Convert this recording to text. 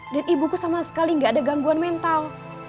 dan ibuku sama sekali gak ada gangguan mental